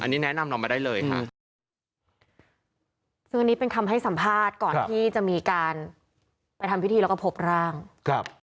อันนี้แนะนำเรามาได้เลยค่ะ